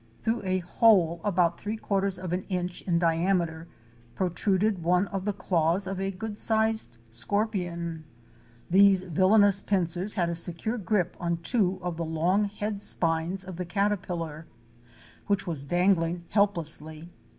Through a hole, about three quarters of an inch in diameter, protruded one of the claws of a good sized scorpion. These villainous pincers had a secure grip on two of the long head spines of the caterpillar, which was dangling helplessly.